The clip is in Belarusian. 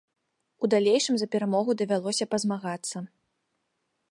У далейшым за перамогу давялося пазмагацца.